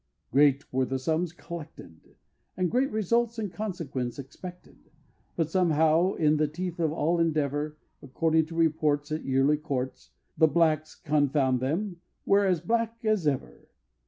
Great were the sums collected! And great results in consequence expected. But somehow, in the teeth of all endeavor, According to reports At yearly courts, The blacks, confound them! were as black as ever!